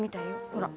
ほら。